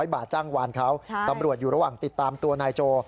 ๐บาทจ้างวานเขาตำรวจอยู่ระหว่างติดตามตัวนายโจ